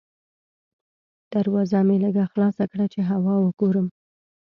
دروازه مې لږه خلاصه کړه چې هوا وګورم.